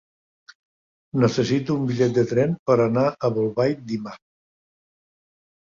Necessito un bitllet de tren per anar a Bolbait dimarts.